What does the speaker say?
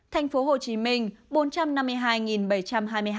thành phố hồ chí minh bốn trăm năm mươi hai bảy trăm hai mươi hai